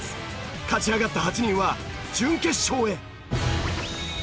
勝ち上がった８人は準決勝へ。